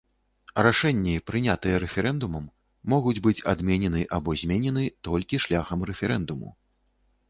Рашэнні, прынятыя рэферэндумам, могуць быць адменены або зменены толькі шляхам рэферэндуму.